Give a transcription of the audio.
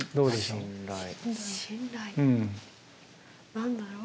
何だろう。